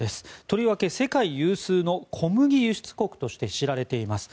とりわけ世界有数の小麦輸出国として知られています。